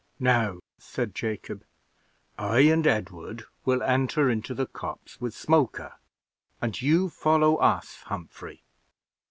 "Now," said Jacob, "I and Edward will enter into the copse with Smoker, and you follow us, Humphrey.